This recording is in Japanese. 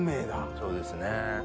そうですね。